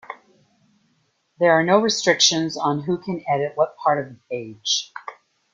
There are no restrictions on who can edit what part of the page.